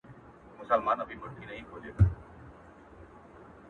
o د ښاره ووزه، د نرخه ئې مه وزه!